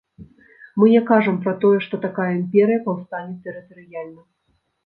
Мы не кажам пра тое, што такая імперыя паўстане тэрытарыяльна.